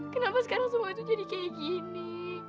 kenapa sekarang semua itu jadi kayak gini